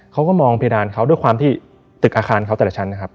เขาก็มองเพดานเขาด้วยความที่ตึกอาคารเขาแต่ละชั้นนะครับ